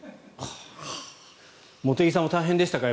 茂木さんも大変でしたか？